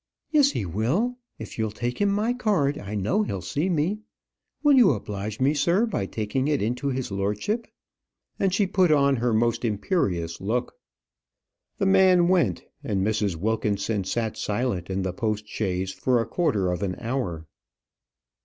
"Yes, he will. If you'll take him my card, I know he'll see me. Will you oblige me, sir, by taking it into his lordship?" And she put on her most imperious look. The man went, and Mrs. Wilkinson sat silent in the post chaise for a quarter of an hour.